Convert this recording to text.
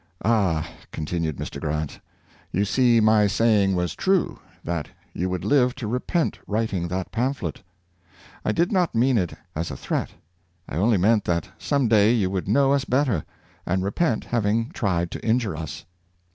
" Ah," con tinued Mr. Grant, " you see my saying was true, that you would live to repent writing that pamphlet. I did not mean it as a threat — I only meant that some day you would know us better, and repent having tried to injure us."